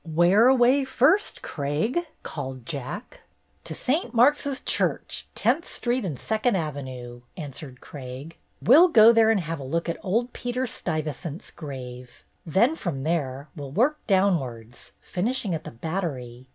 "Where away first, Craig?" called Jack. "To St. Mark's Church, Tenth Street and Second Avenue," answered Craig. "We 'll go there and have a look at old Peter Stuy vesant's grave. Then from there we 'll work downwards, finishing at the Battery.